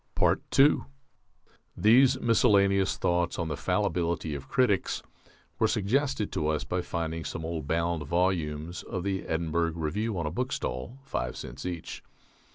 II These miscellaneous thoughts on the fallibility of critics were suggested to us by finding some old bound volumes of the Edinburgh Review on a bookstall, five cents each.